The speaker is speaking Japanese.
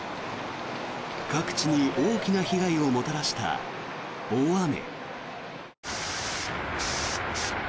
各地に大きな被害をもたらした大雨。